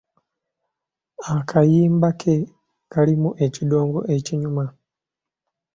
Akayimba ke kalimu ekidongo ekinyuma.